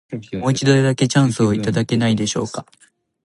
もう一度だけ、チャンスをいただけないでしょうか。